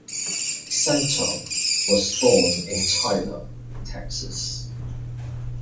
Santop was born in Tyler, Texas.